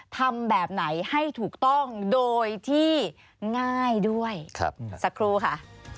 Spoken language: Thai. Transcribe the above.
ทำแบบไหนให้ถูกต้องโดยที่ง่ายด้วยสักครู่ค่ะ